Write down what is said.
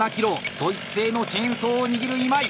ドイツ製のチェーンソーを握る今井。